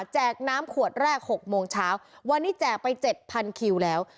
น้ำขวดแรก๖โมงเช้าวันนี้แจกไป๗๐๐คิวแล้ว